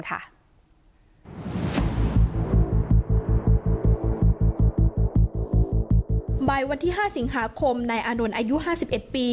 บ๊ายวันที่๕สิงหาคมในอานวนอายุ๕๑ปี